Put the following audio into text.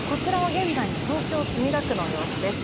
現在の東京・墨田区の様子です。